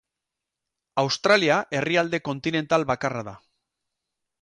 Australia herrialde kontinental bakarra da.